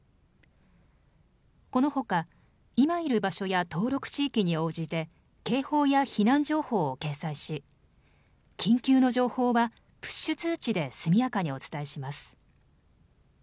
このほか今いる場所や登録地域に応じて警報や避難情報を掲載し緊急の情報はプッシュ通知で速やかにお伝えします。